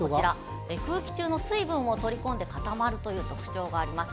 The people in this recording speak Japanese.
空気中の水分を取り込んで固まるという特徴があります。